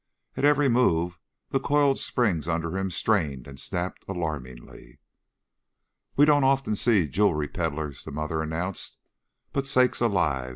At every move the coiled springs under him strained and snapped alarmingly. "We don't often see jewelry peddlers," the mother announced; "but, sakes alive!